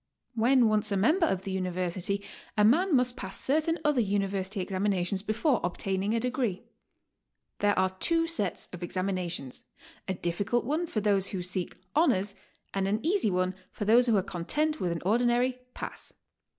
When once a member of the University, a man must pass certain other University exanninations before obtaining a degree. There are two sets of examinations, — a difflcult one for those who seek "honors," and an easy one for those who are content with an ordinary "pass."